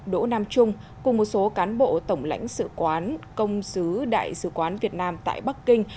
đỗ nam trung cùng một số cán bộ tổng lãnh sự quán công sứ đại sứ quán việt nam tại bắc kinh